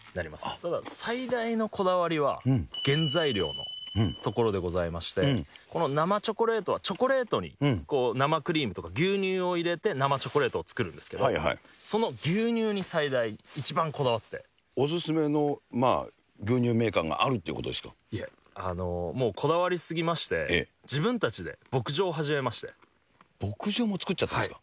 ただ、最大のこだわりは、原材料のところでございまして、この生チョコレートは、チョコレートに生クリームとか牛乳を入れて生チョコレートを作るんですけど、お勧めの牛乳メーカーがあるいえ、もうこだわりすぎまし牧場も作っちゃったんですか？